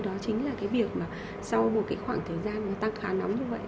đó chính là việc sau một khoảng thời gian tăng khá nóng như vậy